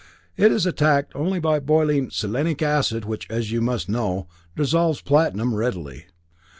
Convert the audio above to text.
It is attacked only by boiling selenic acid which, as you must know, dissolves platinum readily.